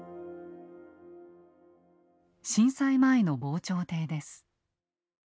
震災前の防潮堤です。